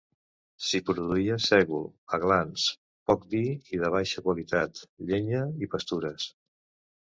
S'hi produïa sègol, aglans, poc vi i de baixa qualitat, llenya i pastures.